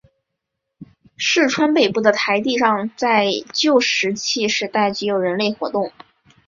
市川北部的台地上在旧石器时代就有人类活动。